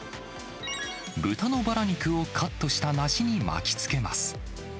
豚のバラ肉をカットした梨に巻きつけます。